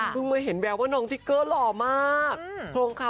มาเห็นแววว่าน้องจิ๊กเกอร์หล่อมาก